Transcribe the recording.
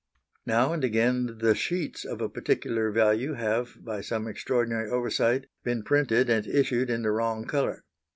Now and again the sheets of a particular value have, by some extraordinary oversight, been printed and issued in the wrong colour.